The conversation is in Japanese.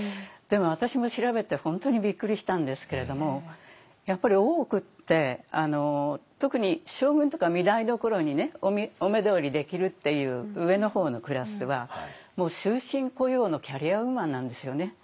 でも私も調べて本当にびっくりしたんですけれどもやっぱり大奥って特に将軍とか御台所にお目通りできるっていう上の方のクラスはもう終身雇用のキャリアウーマンなんですよね。